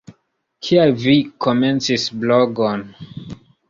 Kial vi komencis blogon?